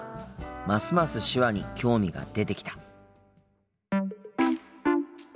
ますます手話に興味が出てきた。